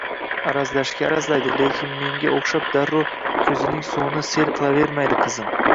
— Аrazlashga arazlaydi, lekin menga oʼxshab darrov koʼzining suvini sel qilavermaydi qizim.